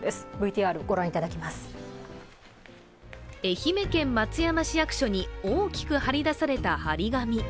愛媛県松山市役所に大きく貼り出された貼り紙。